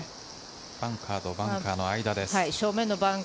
バンカーとバンカーの間です。